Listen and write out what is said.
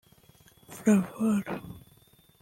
Favour